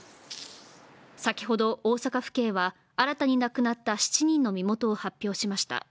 先ほど大阪府警は、新たに亡くなった７人の身元を発表しました。